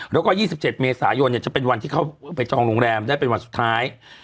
แล้วก็๒๗เมษายนจะเป็นวันที่เขาไปจองโรงแรมได้เป็นวันสุดท้าย